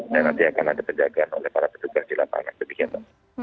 dan nanti akan ada perdagangan oleh para petugas di lapangan sebegini